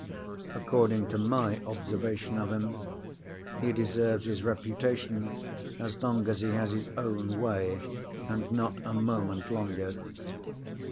According to my observation of him, he deserves his reputation as long as he has his own way, and not a moment longer.